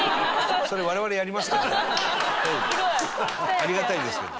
ありがたいですけど。